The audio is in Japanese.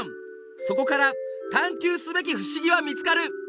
そこから探究すべき不思議は見つかる